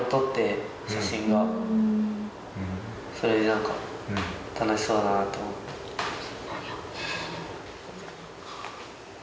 それでなんか楽しそうだなと思った。